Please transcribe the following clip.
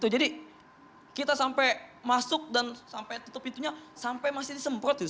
jadi kita sampai masuk dan sampai tutup pintunya sampai masih disemprot gitu